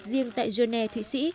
riêng tại geneva thụy sĩ